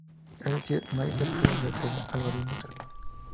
Es decir, no hay certeza de que el algoritmo termine.